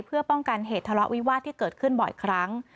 เพื่อป้องกันเหตุทะเลาะวิวาสที่เกิดขึ้นบ่อยครั้ง